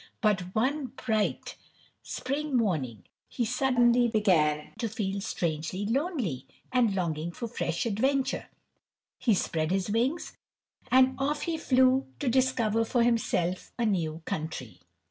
But one bright spring morning he suddenly began to feel strangely lonely, and longing for fresh adventure, he spread his wings, and off he flew to discover for himself a new country.